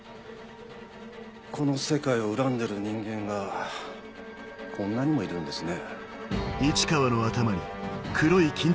この世界を恨んでる人間がこんなにもいるんですね。